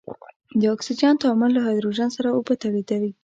د اکسجن تعامل له هایدروجن سره اوبه تولیدیږي.